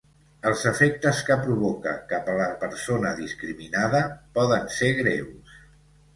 Els efectes que provoca cap a la persona discriminada poden ser greus.